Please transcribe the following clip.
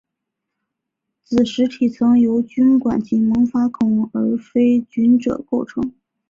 子实层体由菌管及萌发孔而非菌褶构成。